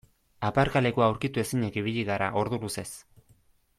Aparkalekua aurkitu ezinik ibili gara ordu luzez.